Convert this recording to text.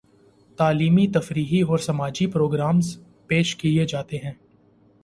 تعلیمی ، تفریحی اور سماجی پرو گرامز پیش کیے جائیں گے